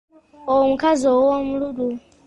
Omukazi ow'omululu.